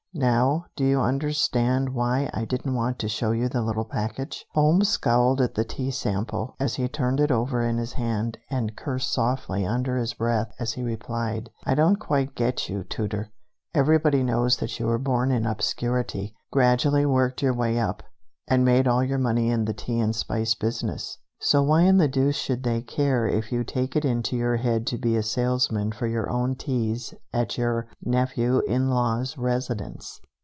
Now, do you understand why I didn't want to show you the little package?" Holmes scowled at the tea sample, as he turned it over in his hand, and cursed softly under his breath as he replied: "I don't quite get you, Tooter. Everybody knows that you were born in obscurity, gradually worked your way up, and made all your money in the tea and spice business, so why in the deuce should they care if you take it into your head to be a salesman for your own teas at your nephew in law's residence?"